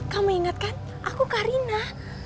kamu ingat kan aku karina